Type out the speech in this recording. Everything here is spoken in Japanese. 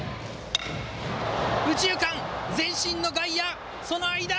右中間、前進の外野その間。